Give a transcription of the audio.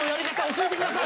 教えてください！